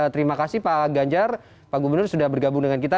terima kasih pak ganjar pak gubernur sudah bergabung dengan kita